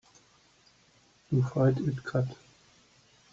You fight it cut.